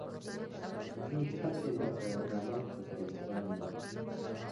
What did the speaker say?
موږ هسې لکه رمه پکې پنډ وو.